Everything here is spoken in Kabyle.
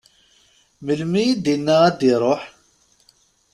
Melmi i d-inna ad d-iruḥ?